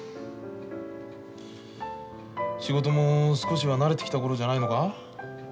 仕事も少しは慣れてきた頃じゃないのか？